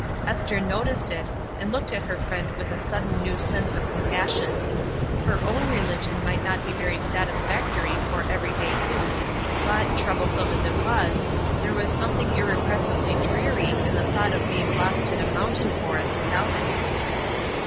Esther noticed it, and looked at her friend with a sudden new sense of compassion. Her own religion might not be very satisfactory for everyday use, but, troublesome as it was, there was something 164 ESTER RIED'S NAMESAKE inexpressibly dreary in the thought of being lost in a mountain forest without it.